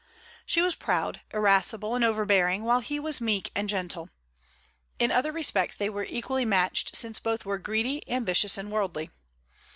She was proud, irascible, and overbearing, while he was meek and gentle. In other respects they were equally matched, since both were greedy, ambitious, and worldly.